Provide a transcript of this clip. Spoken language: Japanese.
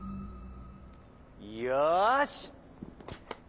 よし！